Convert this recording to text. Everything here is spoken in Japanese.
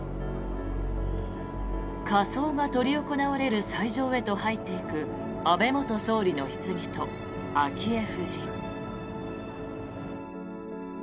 火葬が執り行われる斎場へと入っていく安倍元総理のひつぎと昭恵夫人。